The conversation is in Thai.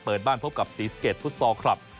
เปิดบ้านพบกับ๔๗ฟุตซอลคลับ